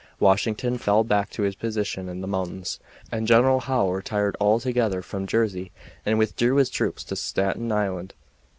Washington fell back to his position in the mountains, and General Howe retired altogether from Jersey and withdrew his troops to Staten Island.